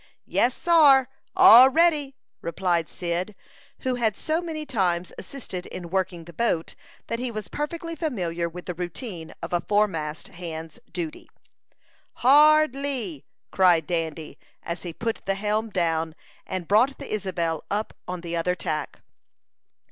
"Yes, sar all ready!" replied Cyd, who had so many times assisted in working the boat, that he was perfectly familiar with the routine of a foremast hand's duty. "Hard lee!" cried Dandy, as he put the helm down, and brought the Isabel up on the other tack.